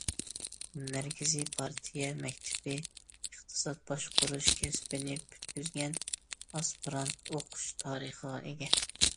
مەركىزىي پارتىيە مەكتىپى ئىقتىساد باشقۇرۇش كەسپىنى پۈتكۈزگەن، ئاسپىرانت ئوقۇش تارىخىغا ئىگە.